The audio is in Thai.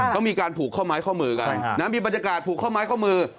เขามีการผูกข้อไม้ข้อมือกันมีบรรยากาศผูกข้อไม้ข้อมือ